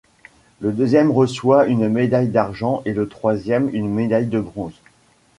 Le deuxième reçoit une médaille d'argent et le troisième, une médaille de bronze.